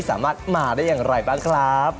สามารถมาได้อย่างไรบ้างครับ